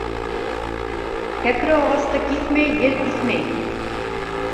Кәкре ағасты киҫмәй ел иҫмәй.